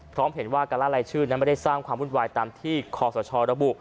พร้อมเห็นว่าการละลายชื่อนั้นไม่ได้สร้างความวุ่นวายตามที่คอสชระบุ